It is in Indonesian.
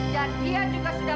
dan dia juga sudah